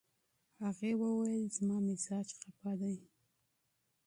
هغې وویل، "زما مزاج خپه دی."